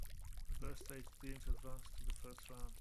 The best eight teams advanced to the first round.